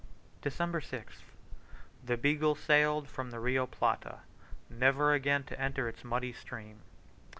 December 6th. The Beagle sailed from the Rio Plata, never again to enter its muddy stream.